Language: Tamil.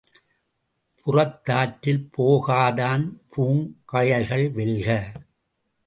புறத்தாற்றில் போகாதான் பூங்கழல்கள் வெல்க!